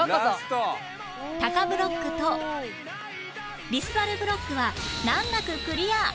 タカブロックとリスザルブロックは難なくクリア！